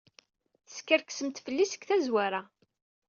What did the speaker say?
Teskerksemt fell-i seg tazwara.